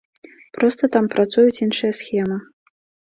Проста там працуюць іншыя схемы.